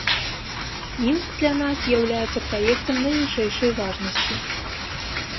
Мінск для нас з'яўляецца праектам найвышэйшай важнасці.